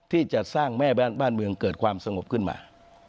ที่จะสร้างแม่บ้านเมืองเกิดความสงบขึ้นมา